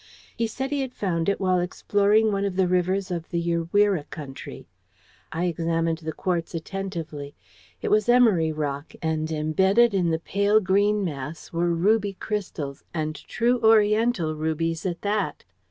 He said he had found it while exploring one of the rivers of the Urewera country. I examined the quartz attentively. It was emery rock, and imbedded in the pale green mass were ruby crystals, and true Oriental rubies at that.